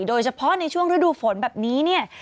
โดยเฉพาะในช่วงฤดูฝนแบบนี้เนี่ย